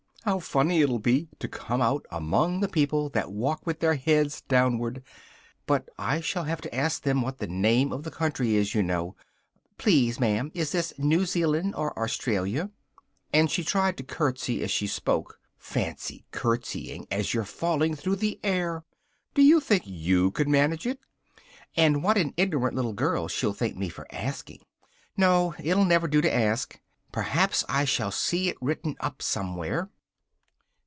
How funny it'll be to come out among the people that walk with their heads downwards! But I shall have to ask them what the name of the country is, you know. Please, Ma'am, is this New Zealand or Australia?" and she tried to curtsey as she spoke (fancy curtseying as you're falling through the air! do you think you could manage it?) "and what an ignorant little girl she'll think me for asking! No, it'll never do to ask: perhaps I shall see it written up somewhere."